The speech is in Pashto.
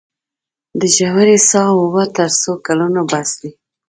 د ژورې څاه اوبه تر څو کلونو بس دي؟